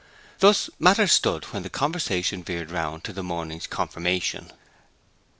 Thus matters stood when the conversation veered round to the morning's confirmation.